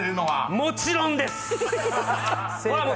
もちろんです！